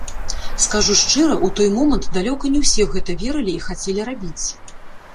Скажу шчыра, у той момант далёка не ўсе ў гэта верылі і хацелі рабіць.